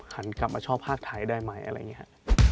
หันกลับมาชอบภาคไทยได้ไหมอะไรอย่างนี้ครับ